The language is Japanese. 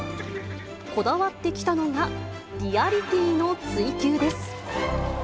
こだわってきたのが、リアリティーの追求です。